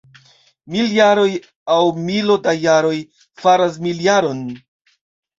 Mil jaroj, aŭ milo da jaroj, faras miljaron.